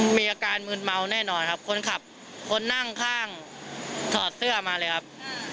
มีอาการมืนเมาแน่นอนครับคนขับคนนั่งข้างถอดเสื้อมาเลยครับ